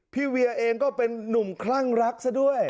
เวียเองก็เป็นนุ่มคลั่งรักซะด้วย